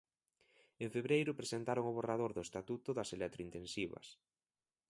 En febreiro presentaron o borrador do Estatuto das electrointensivas.